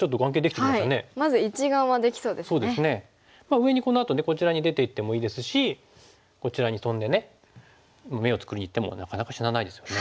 上にこのあとねこちらに出ていってもいいですしこちらにトンで眼を作りにいってもなかなか死なないですよね。